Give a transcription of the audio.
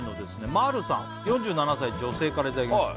まるさん４７歳女性からいただきました